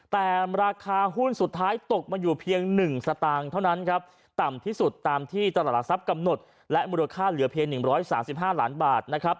แต่ราคาหุ้นสุดท้ายตกมาอยู่เพียง๑สตางค์เท่านั้นครับต่ำที่สุดตามที่ตลาดหลักทรัพย์กำหนดและมูลค่าเหลือเพียง๑๓๕ล้านบาทนะครับ